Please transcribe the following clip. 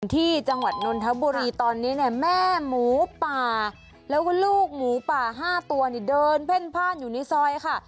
ที่จังหวัดนนทบุรีตอนนี้เนี่ยแม่หมูป่าแล้วก็ลูกหมูป่า๕ตัวเนี่ยเดินเพ่นพ่านอยู่ในซอยค่ะ